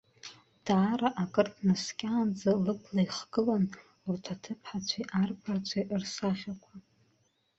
Даара акыр днаскьаанӡа лыбла ихгылан урҭ аҭыԥҳацәеи арԥарцәеи рсахьақәа.